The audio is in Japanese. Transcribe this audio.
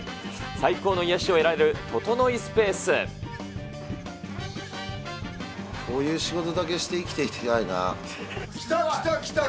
最高の癒やしを得られるととのいこういう仕事だけして生きてきた、きた、きた。